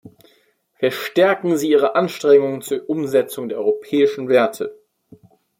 Verstärken Sie ihre Anstrengungen zur Umsetzung der europäischen Werte.